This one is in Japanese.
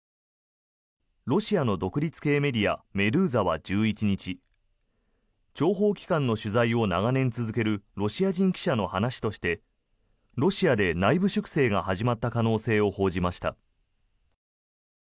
ロシアの独立系メディアメドゥーザは１２日諜報機関の取材を長年続けるロシア人記者の話としてロシアで内部粛清が始まった可能性を報じました。